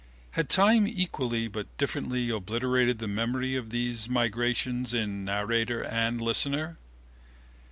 Had time equally but differently obliterated the memory of these migrations in narrator and listener?